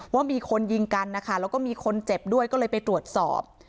ว่ามีคนยิงกันนะคะแล้วก็มีคนเจ็บด้วยก็เลยไปตรวจสอบ